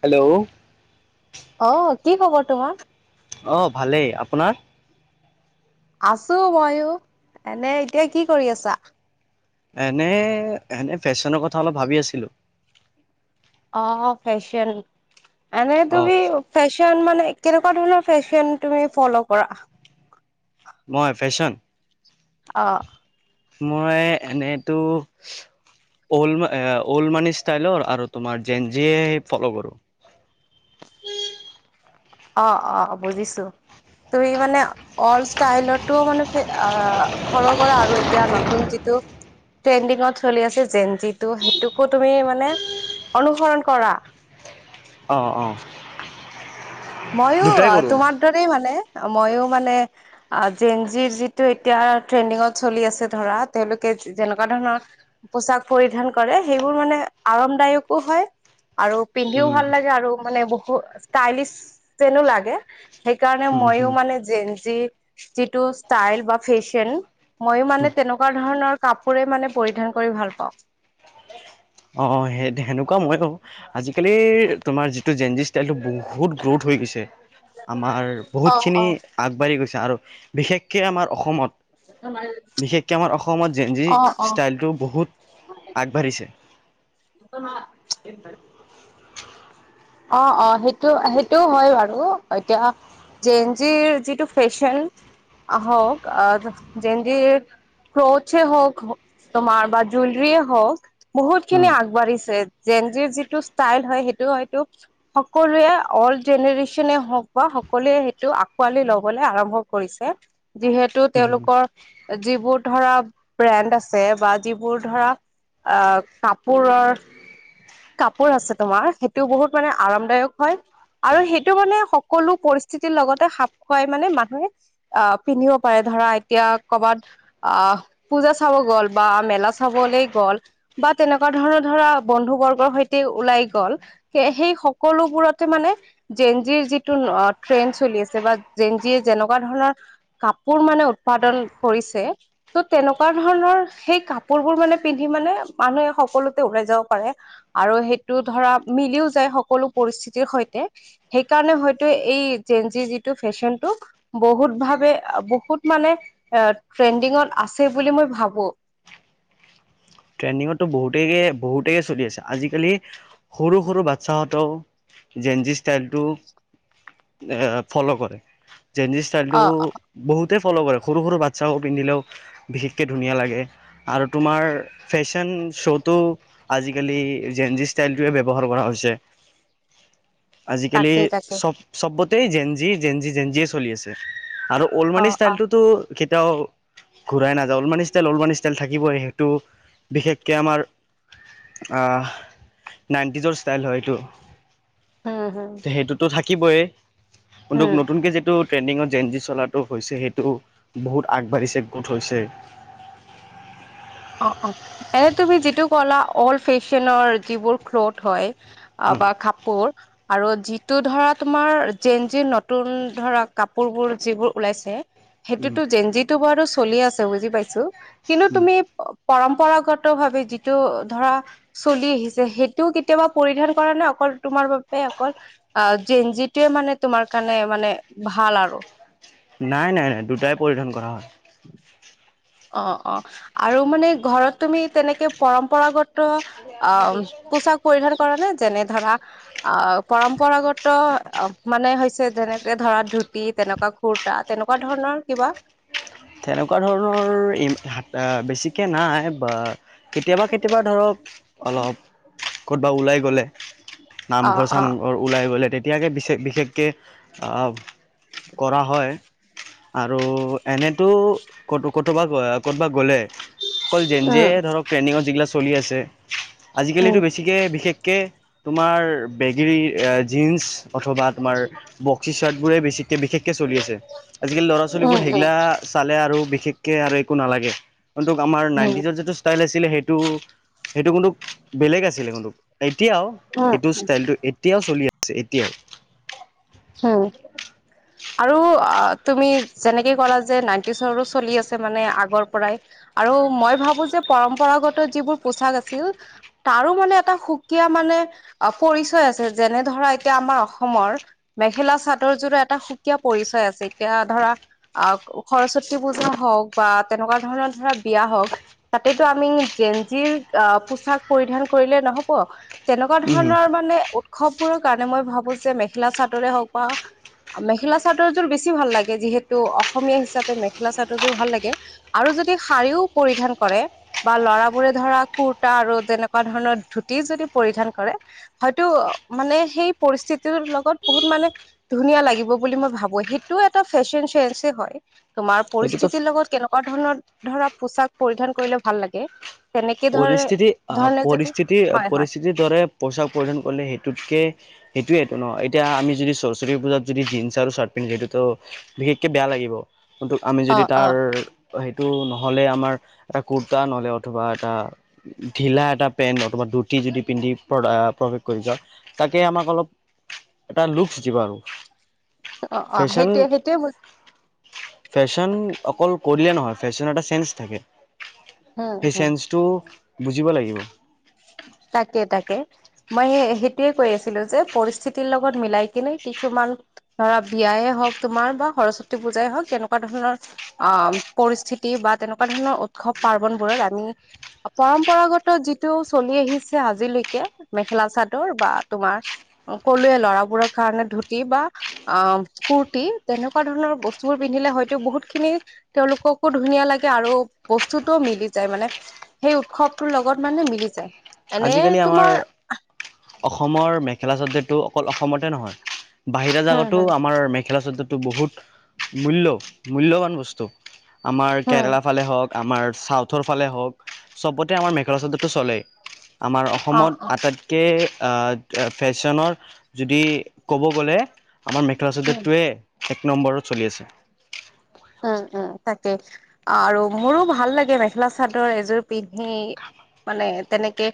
Hello! অ' কি খবৰ তোমাৰ? অ' ভালেই। আপোনাৰ? আছো ময়ো এনে। এতিয়া কি কৰি আছা? এনেই, এনে ফেশ্বনৰ কথা অলপ ভাবি আছিলোঁ। অ' ফেশ্বন। এনেই অ তুমি ফেচ কিমান মানে কেনেকুৱা ধৰণৰ ফেশ্বন তুমি ফ'লো কৰা? মই ফেশ্বন? অ'। মই এনেইতো অল্ড মে এ অল্ড মানি ষ্টাইলৰ আৰু তোমাৰ যেঞ্জিয়ে সেই ফ'লো কৰো। উম [unintelligible] অ' অ' বুজিছোঁ। তুমি মানে অল ষ্টাইলৰটোও মানে ফে আ ফল' কৰা আৰু এতিয়া নতুন যি টো ট্ৰেণ্ডিংত চলি আছে যেঞ্জিটো সেইটোকো তুমি মানে অনুসৰণ কৰা? অ' অ'। মইও দুটাই কৰোঁ মই তোমাৰ দৰেই মানে মইও মানে আ যেঞ্জিৰ যিটো এতিয়া ট্ৰেণ্ডিংত চলি আছে ধৰা তেওঁলোকে যেনেকুৱা ধৰণৰ পোচাক পৰিধান কৰে সেইবোৰ মানে আৰামদায়কো হয় আৰু পিন্ধিও উম ভাল লাগে আৰু মানে বহু ষ্টাইলিছ যেনো লাগে। সেইকাৰণে হুম মইয়ো হুম মানে যেঞ্জি যিটো ষ্টাইল বা ফেশ্বন মইয়ো হুম মানে তেনেকুৱা ধৰণৰ কাপোৰে মানে পৰিধান কৰি ভাল পাওঁ। অ' অ' সেই - সেনেকুৱা মইও। আজিকালিৰ তোমাৰ যিটো যেঞ্জি ষ্টাইলটো বহুত গ্ৰোথ হৈ গৈছে। আমাৰ অ বহুতখিনি অ আগবাঢ়ি গৈছে আৰু বিশেষকে আমাৰ অসমত। বিশেষকে আমাৰ অসমত যেঞ্জি অ অ ষ্টাইলটো বহুত আগবাঢ়িছে। [unintelligible] অ' অ' সেইটো - সেইটোও হয় বাৰু এতিয়া যেঞ্জিৰ যিটো ফেশ্বন আ হক আ যেঞ্জিৰ ক্ৰোচে হওক তোমাৰ বা জুলৰিয়ে হওক বহুত উম খিনি আগবাঢ়িছে যেঞ্জিৰ যিটো ষ্টাইল হয় সেইটো হয় টো সকলোৱে অল্ড জেনেৰেচনে হওঁক বা সকলোৱে সেইটো আকোৱালি ল'বলে আৰম্ভ ভ কৰিছে। যিহেতু উম, তেওঁলোকৰ যিবোৰ ধৰা ব্ৰেণ্ড আছে বা যি এইবোৰ ধৰা আ কাপোৰৰ, কাপোৰ আছে তোমাৰ [unintelligible] টো বহুত মানে আৰামদায়ক হয় আৰু সেইটো মানে সকলো পৰিস্থিতিৰ লগতে সাপ খুৱাই মানে মানুহে অ পিন্ধিব পাৰে ধৰা এতিয়া, কৰ'বাত অ পুজা চাব গ'ল বা। বা মেলা চাবলৈ গ'ল, বা তেনেকুৱা ধৰণৰ ধৰা বন্ধু বৰ্গৰ সৈতে ওলাই গ'ল। সেই সকলোবোৰতে মানে, জেঞ্জিৰ যিটো অ ট্ৰেন চলি আছে বা জেঞ্জিৰ। যেনেকুৱা ধৰণৰ কাপোৰ মানে উৎপাদন কৰিছে ত' তেনেকুৱা ধৰণৰ সেই। কাপোৰ বোৰ মানে পিন্ধি মানে মানুহে সকলোতে ওলাই যাব পাৰে আৰু সেইটো ধৰা। মিলিও যায় সকলো পৰিস্থিতিৰ সৈতে সেইকাৰণে হয়তো এই জেনজিৰ যিটো ফেশ্বনটো [unintelligible] [unintelligible] বহুত ভাৱে বহুত মানে এ ট্ৰেণ্ডিঙত আছে বুলি মই ভাবো। [inaudible] ট্ৰেইডিঙো বহুতেই-বহুতেই চলি আছে আজিকালি সৰু-সৰু বাচ্ছাহঁতেও [unintelligible] জেঞ্জি ষ্টাইলটো এ ফলো কৰে। জেঞ্জি ষ্টাইলটো অ অ বহুত। তাতেই ফ'ল' কৰে সৰু-সৰু বাচ্ছাও পিন্ধিলেও বিশেষকৈ ধুনীয়া লাগে আৰু তোমাৰ [unintelligible] ফেশ্বন শ্ব'তটো আজিকালি জেঞ্জি ষ্টাইলটোৱেই ব্যৱহাৰ কৰা হৈছে। আজিকালি তাকেই তাকে চব-চবতেই জেঞ্জি-জেঞ্জি-জেঞ্জিয়েই চলি আছে। আৰু অ ওলমাৰি অ ষ্টাইলটোতো [unintelligible] তেওঁ ঘূৰাই নাযাও না ওলমান ষ্টাইল ওলমান ষ্টাইল থাকিবই সেইটো। [unintelligible] বিশেষকে আমাৰ আহ নাইনটিজৰ ষ্টাইল হয় এইটো। হম হম সেইটোতো থাকিবই ন্তোক হম নতুনকে যিটো [inaudible] ট্ৰেণ্ডিঙত জেঞ্জি চলাটো হৈছে, সেইটো বহুত আগবাঢ়িছে গোট হৈছে। [unintelligible] অ অ এনে তুমি যিটো ক'লা, অল্ড ফেশ্বনৰ যিবোৰ ক্ল'থ হয়। আহ বা কাপোৰ আৰু যি [unintelligible] [unintelligible] টো ধৰা তোমাৰ জেন-জিৰ নতুন ধৰা কাপোৰবোৰ যিবোৰ ওলাইছে। সেইটোতো জেঞ্জিটো বাৰু চলি আছে বুজি পাইছো কিন্তু তুমি [unintelligible] পৰম্পৰাগত ভাৱে যিটো ধৰা চলি আহিছে সেইটো কেতিয়াবা পৰিধান কৰা নাই অকল। তোমাৰ বাবে অকল, আ জেঞ্জিটোৱে মানে তোমাৰ কাৰণে মানে ভাল আৰু। নাই নাই নাই দুটাই পৰিধান কৰা হয়। [inaudible] অ অ, আৰু মানে ঘৰত তুমি তেনেকে পৰম্পৰাগত। অ পোচাক পৰিধান কৰা নে যেনে ধৰা [unintelligible] অ পৰম্পৰাগত মানে হৈছে যেনেকে ধৰা ধুতি তেনেকুৱা খুুৰ [unintelligible] তেনেকুৱা ধৰণৰ কিবা? তেনেকুৱা ধৰণৰ ইম হাত। আ বেছিকে নাই বা কেতিয়াবা কেতিয়াবা ধৰক অলপ। ক'তবা ওলাই গ'লে অ অ নামঘৰ-চামঘৰ ওলাই গ'লে তেতিয়া। এইয়াকে বিশেষকে-বিশেষকে আহ কৰা হয়। আৰু এনে। ক'ব'বা গ'লে অকল যেন যে ধৰক ট্ৰেইনিত যিগা [inaudible] চলি আছে আজিকালিতো উম বেছিকে বিশেষ [unintelligible] [unintelligible] তোমাৰ বেগেৰী জীন্চ। অথবা তোমাৰ, বক্সি চাৰ্টবোৰে বেছিকে বিশেষকে চলি আছে আজিকালি ল'ৰা ছোৱালীবোৰ উম উম সেইগিল্লা। আৰু বিশেষকে আৰু একো নালাগে কিন্তু আমাৰ উম নাইনটিজৰ যিটো ষ্টাইল আ। আছিলে সেইটো সেইটো কিন্ত বেলেগ আছিলে কিন্তন্তু [inaudible] এতিয়াও, উম সেইটো ষ্টাইলটো এতিয়াও চলি আছে এতিয়াও। উম। আৰু আ তুমি যেনেকে কৰা যে, নাইনটিচৰো চলি আছে মানে আগৰ পৰাই। আৰু মই ভাবো যে পৰম্পৰাগত যিবোৰ পোচাক আছিল তাৰো মানে এটা সুকীয়া। মানে পৰিচয় আছে যেনে ধৰা, এতিয়া আমাৰ অসমৰ মেখেলা-চাদৰযোৰা এটা সুকীয়া পৰিচয় আছে এতিয়া ধৰা আহ সৰস্বতী পূজা হওক। [unintelligible] বা তেনেকুৱা ধৰণৰ ধৰা বিয়া হ‌ওক তাতেইটো আমি জেঞ্জিৰ পোছাক পৰিধান [unintelligible] কৰিলে নহব তেনেকুৱা উম ধৰণৰ মানে উৎসৱবোৰৰ কাৰণে মই ভাবো যে মেখেলা-চাদৰ [unintelligible] তোৰে হওক পা [unintelligible] মেখেলা চাদৰযোৰ বেছি ভাল লাগে যিহেতু অসমীয়া হিচাপে মেখেলা চাদৰযোৰ ভাল লাগে আৰু যদিও শাৰিও পৰিধান কৰে বা ল'ৰাবোৰে ধৰা কোৰ্টা আৰু তেনেকুৱা ধৰণৰ ধুতি যদি পৰিধান কৰে হয়তো মানে সেই পৰিস্থিতিৰ লগত বহুত মানে ধুনীয়া লাগিব বুলি মই ভাবো সেইটোও এটা ফেশ্বন চেস হয় তোমাৰ সেইটোতো পৰিস্থিতিৰ লগত কেনেকুৱা ধৰণৰ ধৰা পোচাক পৰিধান কৰিলে ভাল লাগে তেনেকে ধৰে পৰিস্থিতি আহ ধৰণে যদি হয় হয় পৰিস্থিতিৰ-পৰিস্থিতিৰ দৰে পোচাক পৰিধান কৰিলে সেইটোকে [unintelligible] সেইটোৱেইটো ন এতিয়া আমি যদি সৰস্বতী পূজাত যদি জিন্ছ আৰু চাৰ্ট পিন্ধো সেইটোতো বিশেষকৈ বেয়া লাগিব। আমি অ যদি অ তাৰ সেইটো নহ'লে আমাৰ কুৰ্তা নহ'লে অথবা [unintelligible] এটা ঢিলা এটা পেন্ অথবা ধুতি যদি পিন্ধি প্ৰৱেশ কৰি যাওঁ তাকে আমাৰ [inaudible] অলপ এটা লুপচ দিব আৰু [unintelligible] অ অ ফেশ্বন সেইটোৱে সেইটোৱে ফেশ্বন অকল কৰিলে নহয় ফেশ্বন এটা চেন্ঞ্চ থাকে। হুম হুম। টো বুজি ব লাগিব। তাকে তাকে মই স সেইটোয়ে কৈ আছিলো যে পৰিস্থিতিৰ লগত মিলাই কিনে কিছুমান ধৰা বিয়। হ তোমাৰ বা সৰস্বতী পূজাই হওক তেনেকুৱা ধৰণৰ অ পৰিস্থিতি বা তেনেকুৱা ধৰণৰ উৎসৱ, পাৰ্বনবোৰত আমি পৰম্পৰাগত যিটো চলি আহিছে আজিলৈকে মেখেলা চ চাদৰ বা তোমাৰ কলৱে লৰাবোৰৰ কাৰণে ধুতি বা অ কুৰ্তি। তেনেকুৱা ধৰণৰ বস্তু বোৰ পিন্ধিলে হয়তো বহুত খিনি তেওঁলোককো ধুনীয়া লাগে আৰু বস্তু তেওঁ মিলি যায় মানে সেই উৎসৱটোৰ লগত মানে মিলি যায়। এনে আজিকালি আমাৰ তোমাৰ অসমৰ মেখেলা চাদৰটো অকল অসমতে নহয়- বাহিৰা হম জাগাতো হম আমাৰ মেখেলা চাদৰ তোবহুত মূল্য মূল্যবান বস্তু। আমাৰ হম কেৰেলা ফালে হওঁক আমাৰ চাউথৰ ফালে হওক চবতে আমাৰ মেখেলা চাদৰ টো চলেই। আমাৰ অ অসমত অ আটাইতকৈ। ফেশ্বনৰ যদি ক'ব গ'লে আমাৰ মেখেলা হম চাদটোৱে। এক নম্বৰত চলি আছে উম উম তাকে আৰু মোৰো ভাল লাগে মেখেলা চাদৰ এযোৰ পিন্ধি। মানে তেনেকে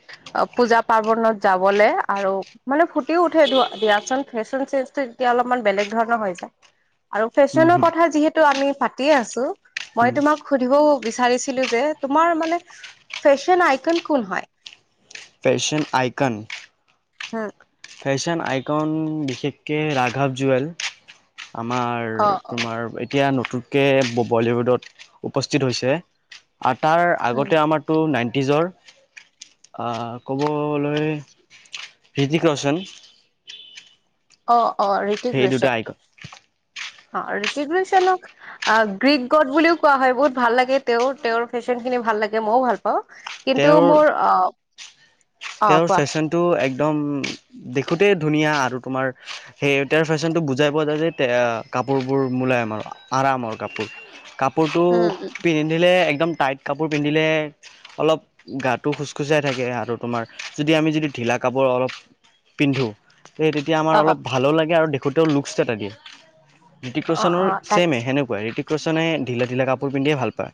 পূজা পাৰ্বনত যাবলৈ আৰু মানে ফুটিও উঠে ধ দা। চোন ফেশন চেঞ্জ এতিয়া অলপমান বেলেগ ধৰণৰ হৈ যায়। আৰু হুম ফেশ্বনৰ হুম কথা যিহেতু আমি পাতিয়ে আছো মই হুম তোমাক সুধিবও বিছাৰিছিলো দে তোমাৰ মানে ফেশ্বনৰ আইকন কোন হয়? ফেশন আইকন হা ফেশ্বন আইকন বিশেষকৈ ৰাঘৱ জুৱেল আমাৰ অ তোমাৰ এতিয়া নতুনকৈ বলীউডত উপস্থিত হৈছে, আৰু তাৰ আগতে আমাৰতো নাইন নিজৰ ক'বলৈ কিয় চোন অ অ ঋতিকেশ্যন। অ ঋতিকেশ্যন ক গ চানক গ্ৰীক গড বুলিও কোৱা হয় বহুত ভাল লাগে তেওঁ তেওঁৰ ফেশ্বন খিনি। ভাল লাগে মইও ভাল পাওঁ কিন্তু তেওঁৰ মোৰ আহ অ তেওঁৰ কোৱা। ফেশ্বনটো একদম দেখোঁতেই ধুনীয়া আৰু তোমাৰ সেই তেওঁৰ ফেশ্বনটো বুজাই পোৱা যায় যে কাপোৰবোৰ মোলায়ম আৰু আৰামৰ কাপোৰ কাপ কাপোৰটো উম উম পিন্ধিলে একদম টাইট কাপোৰ পিন্ধিলে অলপ গাটো খোজকোজাই থাকে আৰু তোমাৰ যদি আমি যদি ঢিলা কাপোৰ অলপ পিন্ধো। স তেতিয়া আমাৰ অ অলপ ভালো লাগে আৰু দেখোতেও লুকচ এটা থাকে অ ঋতিকেশ্যনৰ অ তাক ছেমে সেনেকুৱা ঋিতিকেশ্যনে ঢিলা ঢিলা কাপোৰ পিন্ধিয়ে ভাল পায়।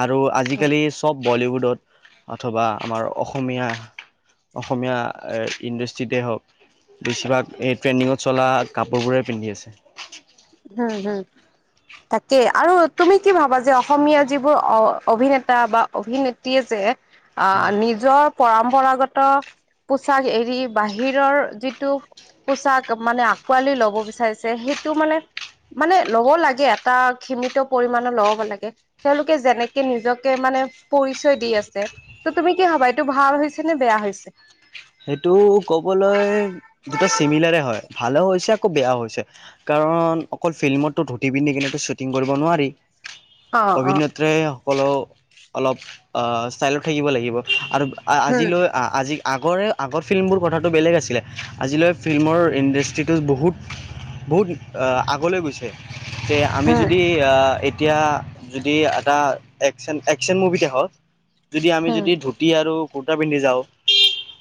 আৰু উম আজিকালি চব বলিউডত অথবা আমাৰ অসমীয়া। [unintelligible] অসমীয়া ইণ্ডাষ্ট্ৰিতে হওঁক বেছিভাগ এই ট্ৰেণ্ডিঙত চলা কাপোৰবোৰেই পিন্ধি আছে। হম হম তাকেই আৰু তুমি কি ভাবা যে অসমীয়া যিবোৰ অ। [unintelligible] অভিনেতা বা অভিনেত্ৰীয়ে যে আহ নিজৰ। পৰম্পৰাগত পোচাক এৰি বাহিৰৰ যিটো পোচাক মানে আঁকোৱালি ল'ব বিচাৰিছে সেইটো মানে মানে লব লাগে এটা সীমিত পৰিমানৰ লব লাগে তেওঁলোকে যেনেকে নিজকে। [unintelligible] মানে পৰিচয় দি আছে ত তুমি কি হবা এইটো ভাল হৈছে নে বেয়া হৈছে। সেইটো কবলৈ দুটা চিমিলাৰে হয় ভালে হৈছে আকৌ বেয়াও হৈছে কাৰণ। [unintelligible] কাৰণ অকল ফিল্মতো ধুতি পিন্ধি কিনে শ্বুটিং কৰিব নোৱাৰি অ অ অভিনেত্ৰাই। [unintelligible] কলেও অলপ ষ্টাইলত থাকিব লাগিব আৰু উম আজিলৈ আজি। আগৰে আগৰ ফিল্মবোৰ কথাটো বেলেগ আছিলে আজিলৈ ফিল্মৰ ইণ্ডাষ্ট্ৰিটো বহুত। [unintelligible] বহুত আগলৈ গৈছে যে আমি উম যদি। এতিয়া যদি এটা একচন একচন মুভি দেখক। [unintelligible] যদি আমি উম যদি ধুতি আৰু কুুৰ্তা পিন্ধি যাওঁ,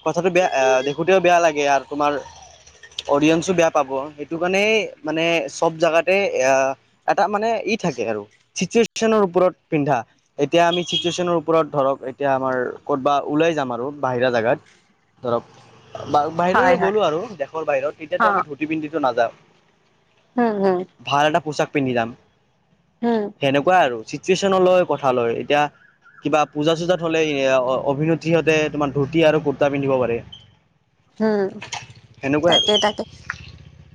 কথাটো বেয়া আহ দেখোতেও বেয়া লাগে আৰু তোমাৰ। [unintelligible] অডিয়েন্ঞ্চো বেয়া পাব সেইটো কাৰণেই মানে চব জোগাতে এ এটা মানে। [unintelligible] থাকে আৰু চিটুৱেচনৰ ওপৰত পিন্ধা এতিয়া আমি চিটুৱেচনৰ ওপৰত ধৰক এতিয়া আমাৰ [unintelligible] কৰ'বা ওলাই যাম আৰু বাহিৰা জেগাত [unintelligible] ধৰক হয় বাহিৰলৈ হয় গ'লো আৰু দেশৰ বাহিৰত অ এতিয়াতো আমি ধুতি পিন্ধটো নাযাওঁ উম উম ভাল এটা পোচাক পিন্ধি দাম উম সেনেকুৱাই আৰু টিউচন লৈ কথা লয় এতিয়া কিবা পূজা চূজাত হলে অভিনেত্ৰী সিহঁতে তোমাৰ ধূতি আৰু কুৰ্তা পিন্ধিব পাৰে। উম সেনেকুৱাই আৰু তাকে তাকে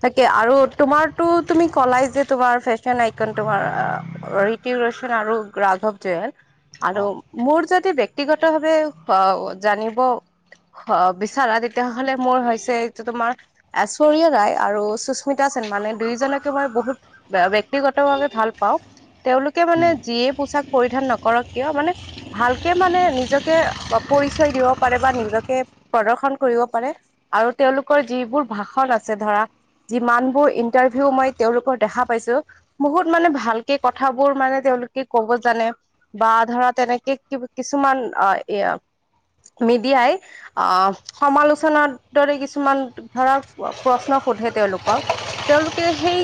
তাকে আৰু তোমাৰো তুমি কলাই যে তোমাৰ ফেচন আইকন তোমাৰ [unintelligible] জ আৰু মোৰ যদি। [unintelligible] ব্যক্তিগত ভাৱে অ জানিব বিচৰা [unintelligible] তেতিয়াহ'লে মোৰ হৈছেটো তোমাৰ এশ্বৰীয়া ৰায় আৰু সুস্মিতা সেন্ মানে দুয়ইজনকে মই [unintelligible] বহুত ব্যক্তিগত ভাৱে ভাল পাওঁ তেওঁলোকে মানে যিয়ে পোচাক পৰিধান নকৰক কিয় মানে ভালকে মানে নিজকে [unintelligible] পৰিচয় দিব পাৰে বা নিজকে প্ৰদৰ্শন কৰিব পাৰে আৰু তেওঁলোকৰ যিবোৰ ভাষণ আছে ধৰা [unintelligible] যিমান বোৰ ইণ্টাৰভিউ মই তেওঁলোকৰ দেখা পাইছো বহুত মানে ভালকে কথাবোৰ মানে। তেওঁলোকে ক'ব জানে বা ধৰা তেনেকে কিছুমান অ এ [unintelligible] মিডিয়াই আহ সমালোচনাৰ দৰে কিছুমান ধৰাৰ প্ৰশ্ন সোধে তেওঁলোকক তেওঁলোকে সেই।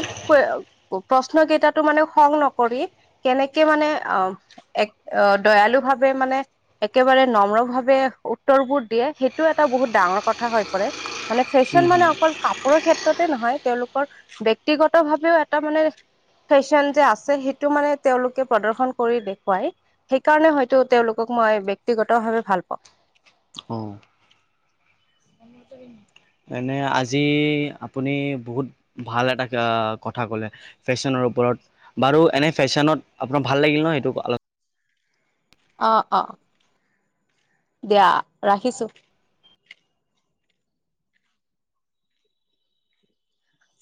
প্ৰশ্ন কেইটাতো মানে খং নকৰি কেনেকে মানে অ অ দয়ালু ভাৱে মানে একেবাৰে নম্ৰ ভাৱে উত্তৰবোৰ দিয়ে সেই। টো এটা বহুত ডাঙৰ কথা হৈ পৰে মানে ফেশ্বন মানে অকল কাপোৰৰ ক্ষেত্ৰ। নহয় তেওঁলোকৰ ব্যক্তিগত ভাৱেও এটা মানে। ফেশ্বন যে আছে সেইটো মানে তেওঁলোকে প্ৰদৰ্শন কৰি দেখুৱাই সেইকাৰণে হয়তো তেওঁলোকক। মই ব্যক্তিগত ভাৱে ভাল পাওঁ। অ এনে আজি আপুনি বহুত ভাল এটা কথা কলে ফেশ্বনৰ ওপৰত বাৰু এনে ফেশ্বনত আপোনাৰ ভাল লাগিল ন সেইটো অলপ। অ অ দিয়া ৰাখিছো।